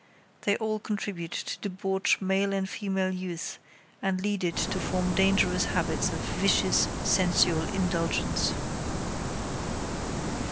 They all contribute to debauch male and female youth and lead it to form dangerous habits of vicious sensual indulgence.